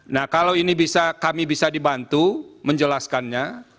nah kalau ini bisa kami bisa dibantu menjelaskannya